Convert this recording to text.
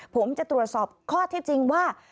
ผมจะตรวจสอบข้อที่จริงว่า